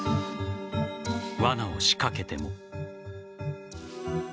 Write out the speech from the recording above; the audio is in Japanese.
わなを仕掛けても。